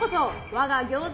我が餃子